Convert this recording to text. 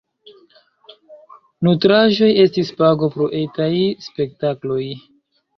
Nutraĵoj estis pago pro etaj spektakloj.